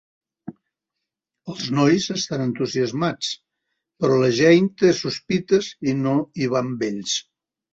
Els nois estan entusiasmats, però la Jane té sospites i no hi va amb ells.